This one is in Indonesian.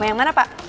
mau yang mana pak